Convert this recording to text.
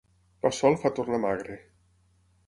Pa sol fa tornar magre.